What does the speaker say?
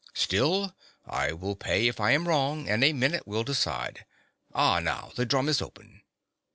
Still, I will pay if I am wrong, and a minute will decide. * Ah, now the drum is open."